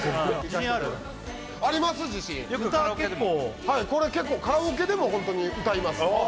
自信歌結構はいこれ結構カラオケでもホントに歌いますああ